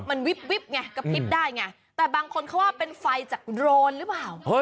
มันวิบวิบไงกระพริบได้ไงแต่บางคนเขาว่าเป็นไฟจากโรนหรือเปล่า